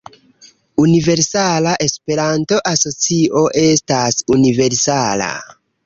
Universala Esperanto-Asocio estas universala.